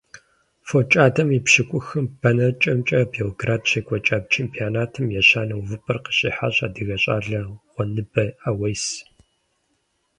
ФокӀадэм и пщӀыкӀухым бэнэкӀэмкӀэ Белград щекӀуэкӀа чемпионатым ещанэ увыпӀэр къыщихьащ адыгэ щӀалэ Гъуэныбэ Ӏэуес.